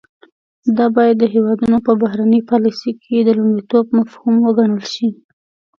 دا باید د هیوادونو په بهرنۍ پالیسۍ کې د لومړیتوب مفهوم وګڼل شي